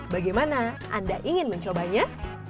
bagaimana anda ingin mencobanya